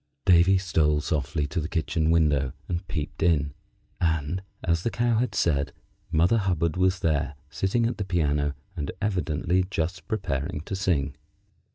Davy stole softly to the kitchen window and peeped in, and, as the Cow had said, Mother Hubbard was there, sitting at the piano, and evidently just preparing to sing.